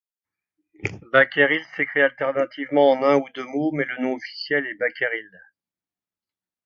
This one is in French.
Bakerhill s'écrit alternativement en un ou deux mots, mais le nom officiel est Bakerhill.